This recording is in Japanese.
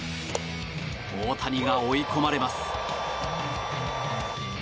大谷が追い込まれます。